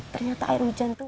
ternyata air hujan itu